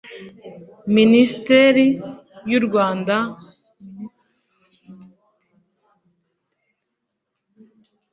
Ministre w’u Rwanda ushinzwe ububanyi n’amahanga